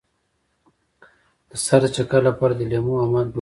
د سر د چکر لپاره د لیمو او مالګې اوبه وڅښئ